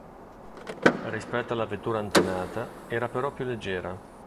Rispetto alla vettura antenata, era però più leggera.